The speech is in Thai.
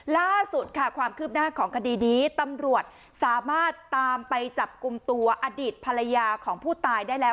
ล่าสุดค่ะความคืบหน้าของคดีนี้ตำรวจสามารถตามไปจับกลุ่มตัวอดีตภรรยาของผู้ตายได้แล้ว